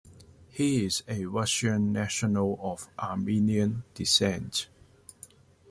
He is a Russian national of Armenian descent.